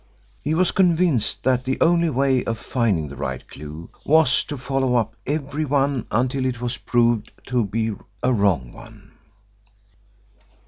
He was convinced that the only way of finding the right clue was to follow up every one until it was proved to be a wrong one.